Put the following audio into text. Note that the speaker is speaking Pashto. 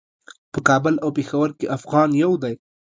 په کابل او پیښور کې افغان یو دی.